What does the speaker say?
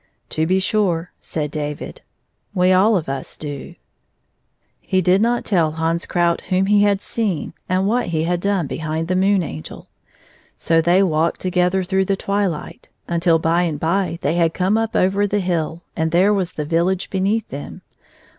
" To be sure," said David, " we all of us do." 173 He did not tell Hans Krout whom he had seen and what he had done behind the Moon^Angel. So they walked together through the twiUght, until by and by they had come up over the hill, and there was the village beneath them.